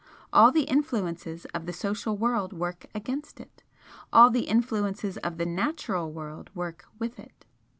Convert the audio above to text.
All the influences of the social world work AGAINST it all the influences of the natural world work WITH it.